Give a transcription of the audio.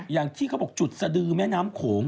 อย่างที่เขาบอกจุดสดือแม่น้ำโขง